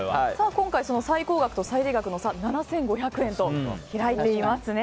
今回、最高額と最低額の差７５００円と開いていますね。